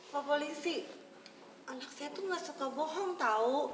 pak polisi anak saya tuh gak suka bohong tau